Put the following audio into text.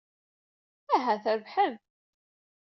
Aha, trebḥem.